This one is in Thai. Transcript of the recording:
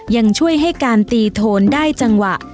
ยังช่วยให้การตีโทนได้จังหวะ